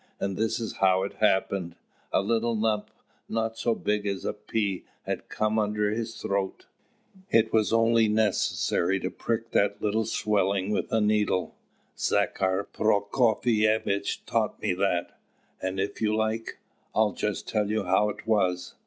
And this is how it happened: a little lump, not so big as a pea, had come under his throat. It was only necessary to prick that little swelling with a needle Zachar Prokofievitch taught me that; and, if you like, I'll just tell you how it was.